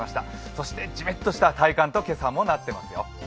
そしてジメッとした体感と今朝はなっていますよ。